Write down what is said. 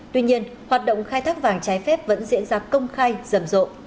tuy nhiên hoạt động khai thác vàng trái phép vẫn diễn ra công khai rầm rộ